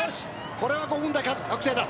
これは５分台確定だ。